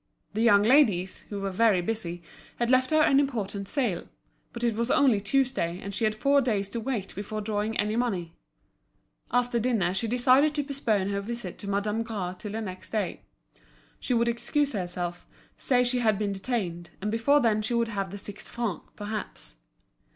The young ladies, who were very busy, had left her an important sale; but it was only Tuesday, and she had four days to wait before drawing any money. After dinner she decided to postpone her visit to Madame Gras till the next day. She would excuse herself, say she had been detained, and before then she would have the six francs, perhaps.